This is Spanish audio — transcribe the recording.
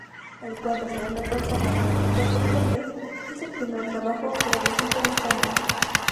El cuento "Segunda Persona, Tiempo Presente" es su primer trabajo traducido al español.